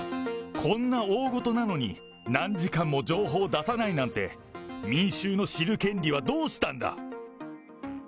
こんな大ごとなのに、何時間も情報を出さないなんて、民衆の知る権利はどうしたんだ。